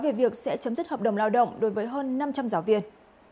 về việc sẽ chấm dứt hợp đồng lao động đối với hơn năm trăm linh giáo viên